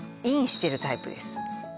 インしてるタイプです